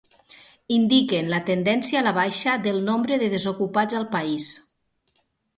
Indiquen la tendència a la baixa del nombre de desocupats al país.